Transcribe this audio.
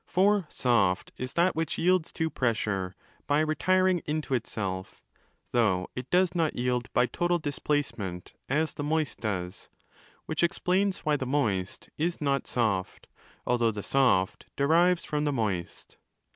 For 'soft' is that which yields to pressure by retiring into itself, though it does not yield by total dis placement as the moist does—which explains why the moist is not 'soft', although 'the soft' derives from the moist.